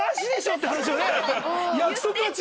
って話よね。